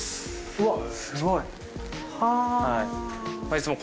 うわすごい。